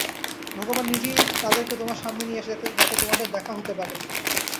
ভগবান নিজেই তাদেরকে তোমার সামনে নিয়ে আসে, যাতে তোমাদের দেখা হতে পারে।